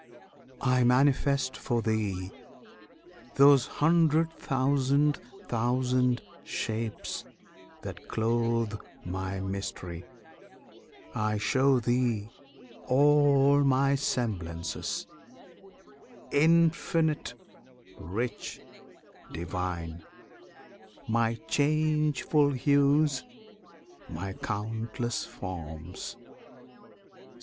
I manifest for thee Those hundred thousand thousand shapes that clothe my Mystery: I show thee all my semblances, infinite, rich, divine, My changeful hues, my countless forms.